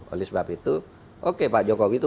oleh sebab itu oke pak jokowi itu